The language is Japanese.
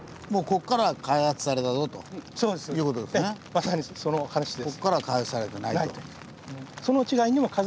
まさにその話です。